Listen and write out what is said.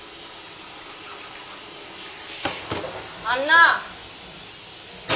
あんな！